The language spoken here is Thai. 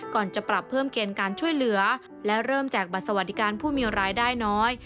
ก่อนจะปรับเพิ่มเกณฑ์การช่วยเหลือและเริ่มแจกบัตรสวัสดิการผู้มีรายได้น้อย